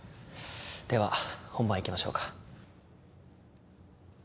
では本番いきましょうか